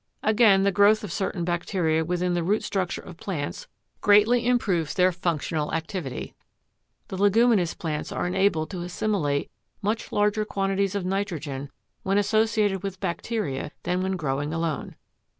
Again, the growth of certain bacteria within the root structure of plants greatly improves their functional activity. The leguminous plants are enabled to assimilate much larger quantities of nitrogen when associated with bacteria than when growing alone.